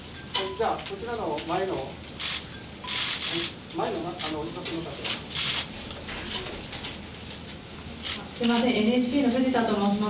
じゃあ、こちらの前のほうの。